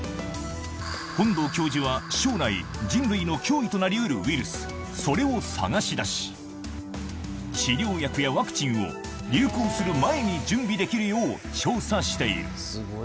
本道教授は将来、人類の脅威となりうるウイルス、それを探し出し、治療薬やワクチンを流行する前に準備できるよう調査している。